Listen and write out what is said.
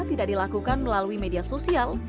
tidak dilakukan melalui media sosial